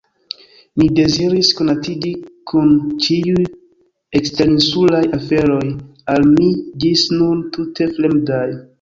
Mi deziris konatiĝi kun ĉiuj eksterinsulaj aferoj, al mi ĝis nun tute fremdaj.